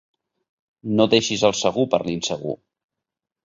No deixis el segur per l'insegur.